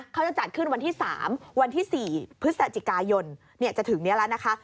เขาจะจัดขึ้นวันที่๓วันที่๔พฤศจิกายนจะถึงนี้แล้วนะคะ